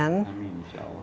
amin insya allah